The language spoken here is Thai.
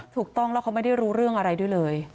ถูกต้องแล้วเขาไม่ได้รู้เรื่องอะไรด้วยเลย